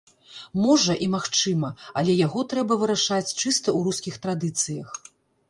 Можа, і магчыма, але яго трэба вырашаць чыста ў рускіх традыцыях.